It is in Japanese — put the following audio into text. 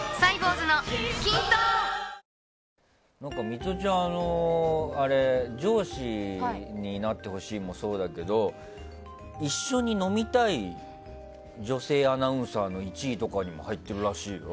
ミトちゃん上司になってほしいもそうだけど一緒に飲みたい女性アナウンサーの１位とかにも入っているらしいよ。